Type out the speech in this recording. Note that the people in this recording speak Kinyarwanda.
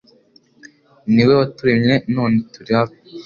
ni we waturemye none turi abe